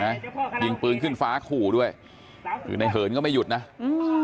ยิงปืนขึ้นฟ้าขู่ด้วยคือในเหินก็ไม่หยุดนะอืม